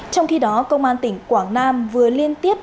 trong khi đó công an tỉnh quảng nam vừa liên tiếp